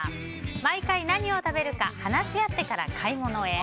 毎回何を食べるか話し合ってから買い物へ。